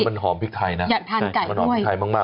มันหอมพริกไทยนะ